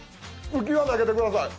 浮き輪投げてください。